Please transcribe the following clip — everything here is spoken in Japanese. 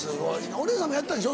お姉さんもやってたんでしょ？